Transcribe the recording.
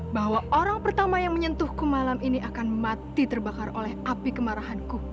bahwa orang pertama yang menyentuhku malam ini akan mati terbakar oleh api kemarahanku